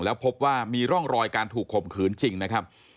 แล้วพบว่ามีร่องรอยการถูกข่มขืนจริงนะครับ